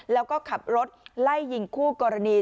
แล้วก็ขับรถไล่ยิงคู่กรณี